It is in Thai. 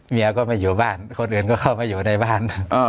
เมียก็ไม่อยู่บ้านคนอื่นก็เข้าไปอยู่ในบ้าน